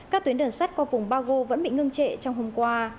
các tuyến đường sắt qua vùng bago vẫn bị ngưng trệ trong hôm qua